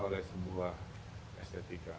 oleh sebuah estetika